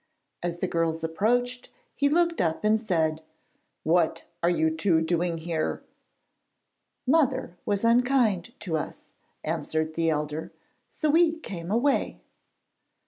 As the girls approached he looked up and said: 'What are you two doing here?' 'Mother was unkind to us,' answered the elder, 'so we came away.'